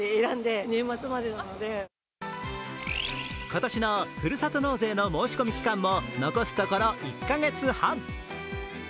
今年のふるさと納税の申し込み期間も残すところあと１か月半。